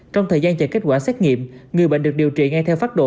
trong thời gian chờ kết quả xét nghiệm người bệnh được điều trị ngay theo phát độ